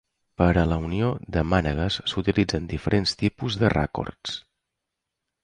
Per a la unió de mànegues s'utilitzen diferents tipus de ràcords.